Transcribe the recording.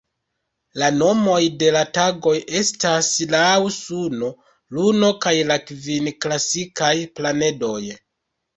La nomoj de la tagoj estas laŭ suno, luno kaj la kvin klasikaj planedoj.